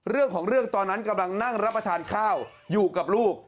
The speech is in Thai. เรื่องของเรื่องตอนนั้นกำลังนั่งรับประทานข้าวอยู่กับลูก